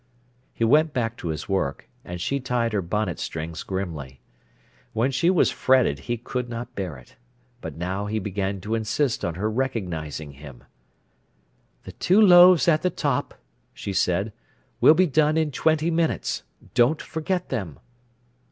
He went back to his work, and she tied her bonnet strings grimly. When she was fretted he could not bear it. But now he began to insist on her recognising him. "The two loaves at the top," she said, "will be done in twenty minutes. Don't forget them."